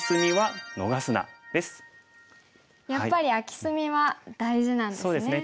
やっぱり空き隅は大事なんですね。